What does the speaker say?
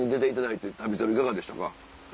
いかがでしたか？